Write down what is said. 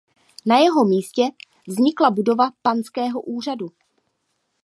Na jeho místě vznikla budova panského úřadu.